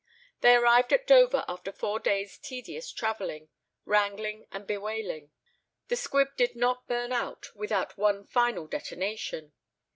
They arrived at Dover after four days' tedious travelling, wrangling, and bewailing. The squib did not burn out without one final detonation.